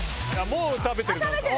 もう食べてる何か。